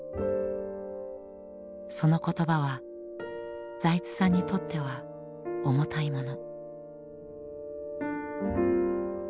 その言葉は財津さんにとっては重たいもの。